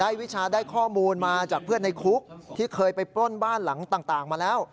วิชาได้ข้อมูลมาจากเพื่อนในคุกที่เคยไปปล้นบ้านหลังต่างมาแล้ว